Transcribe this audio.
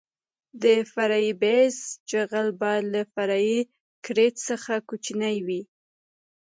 د فرعي بیس جغل باید له فرعي ګریډ څخه کوچنی وي